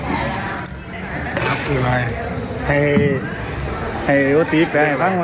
นับคืออะไรให้ให้อุติแปลให้บ้างครับ